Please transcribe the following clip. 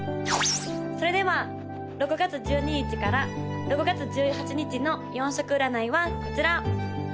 ・それでは６月１２日から６月１８日の４色占いはこちら！